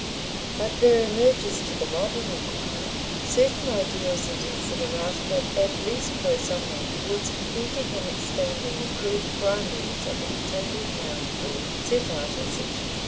But there emerges to the modern inquirer certain ideals and desiderata that at least go some way towards completing and expanding the crude primaries of a Utopian marriage law set out in section 4.